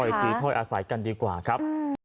อีกทีถ้อยอาศัยกันดีกว่าครับ